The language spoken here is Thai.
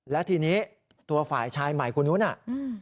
และทีนี้ตัวฝ่ายชายใหม่คนนู้นน่ะอืม